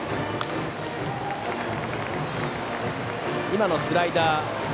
今のスライダーは。